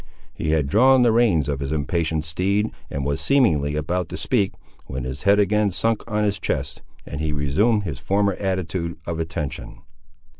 He had drawn the reins of his impatient steed, and was seemingly about to speak, when his head again sunk on his chest, and he resumed his former attitude of attention.